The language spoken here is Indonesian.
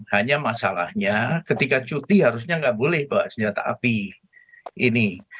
hanya masalahnya ketika cuti harusnya nggak boleh bawa senjata api ini